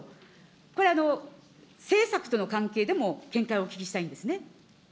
これ、政策との関係でも見解をお聞きしたいんですね。